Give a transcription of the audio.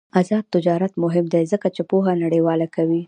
آزاد تجارت مهم دی ځکه چې پوهه نړیواله کوي.